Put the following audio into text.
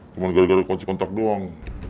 cuma gara gara kunci kontak doang